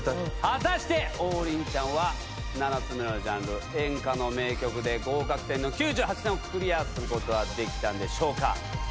果たして王林ちゃんは７つ目のジャンル「演歌」の名曲で合格点の９８点をクリアすることはできたんでしょうか？